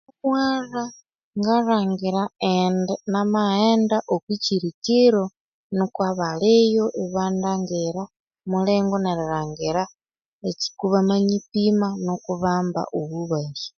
Namalhwalha ngalhangira indi namaghenda okwikyirikiro niko abaliyo ibandingira mulingo nerilhangira eki kubamanyipima nuko ibamba obubalya